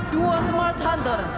dua smart hunter